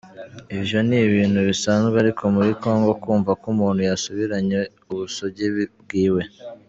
Ivyo ni ibintu bisanzwe ariko muri Congo kwumva ko umuntu yasubiranye ubusugi bwiwe.